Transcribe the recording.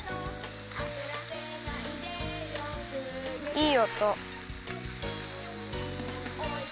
いいおと！